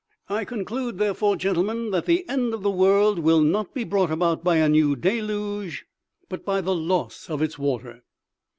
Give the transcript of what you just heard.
" I conclude, therefore, gentlemen, that the end of the world will not be brought about by a new deluge, but by the loss of its water.